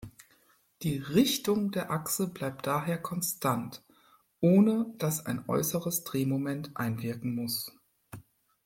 Die "Richtung" der Achse bleibt daher konstant, ohne dass ein äußeres Drehmoment einwirken muss.